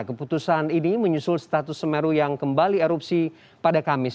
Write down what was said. keputusan ini menyusul status semeru yang kembali erupsi pada kamis